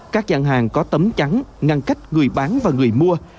các gian hàng có tấm chắn ngăn cách người bán và người mua